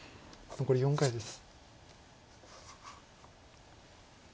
残り４回です。